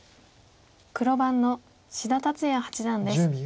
黒番の志田達哉八段です。